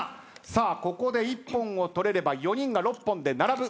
さあここで一本を取れれば４人が６本で並ぶ。